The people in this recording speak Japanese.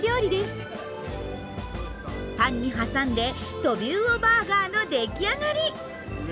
パンに挟んでトビウオバーガーの出来上がり！